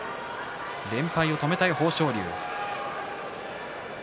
連敗を止めたい豊昇龍。